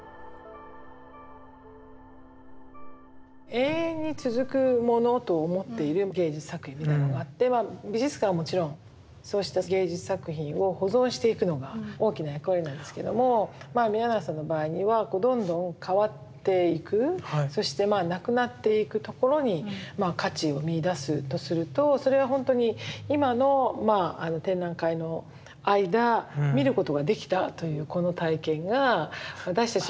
永遠に続くものと思っている芸術作品みたいなのがあって美術館はもちろんそうした芸術作品を保存していくのが大きな役割なんですけどもまあ宮永さんの場合にはどんどん変わっていくそしてまあなくなっていくところに価値を見いだすとするとそれはほんとに今の展覧会の間見ることができたというこの体験が私たちの記憶として残っていく。